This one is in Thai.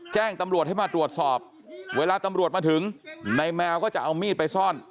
แจ้งตำรวจให้มาตรวจสอบเวลาตำรวจมาถึงในแมวก็จะเอามีดไปซ่อน